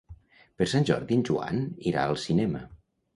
Per Sant Jordi en Joan irà al cinema.